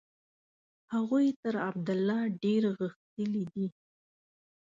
هغوی تر عبدالله ډېر غښتلي دي.